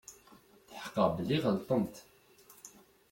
Tḥeqqeɣ belli ɣelṭen-t.